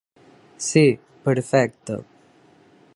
Sí, perfecte.